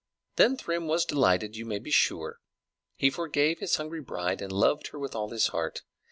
Then Thrym was delighted, you may be sure. He forgave his hungry bride, and loved her with all his heart.